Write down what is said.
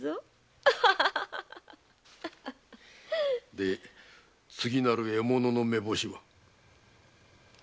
で次なる獲物の目星は？